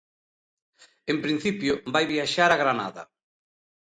En principio, vai viaxar a Granada.